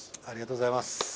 ありがとうございます。